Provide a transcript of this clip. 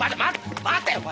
待てお前。